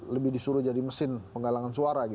lebih disuruh jadi mesin penggalangan suara